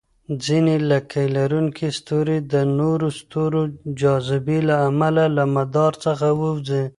ځینې لکۍ لرونکي ستوري د نورو ستورو جاذبې له امله له مدار څخه ووځي.